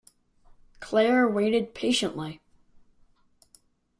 Claire waited patiently.